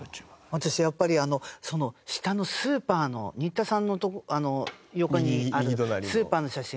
私やっぱりその下のスーパーの新田さんの横にあるスーパーの写真。